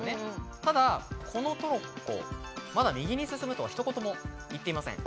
ただこのトロッコ、まだ右に進むとはひと言も言っていません。